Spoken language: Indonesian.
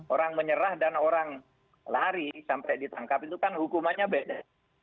orang menyerah dan orang lari sampai ditangkap itu kan hukumannya beda